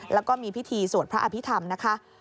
แล้วก็มีพิธีสวดพระอภิษฐรรมนะคะ